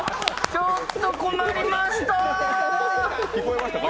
ちょっと困りました。